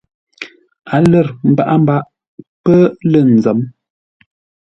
A lər mbaʼa-mbaʼ pə́ lə̂ nzə̌m.